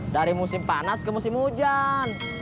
dari musim panas ke musim hujan